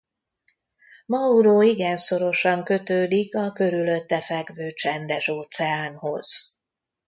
Majuro igen szorosan kötődik a körülötte fekvő Csendes-óceánhoz.